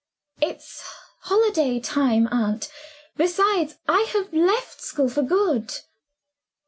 "It's holiday time, aunt. Besides, I have left school for good."